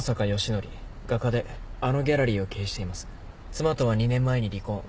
妻とは２年前に離婚。